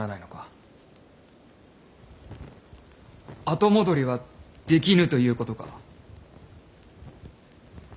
後戻りはできぬということか。